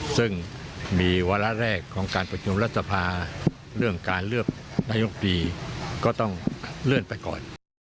ซึ่งมีวาระแรกของการประชุมรัฐสภาเรื่องการเลือกนายกดีก็ต้องเลื่อนไปก่อน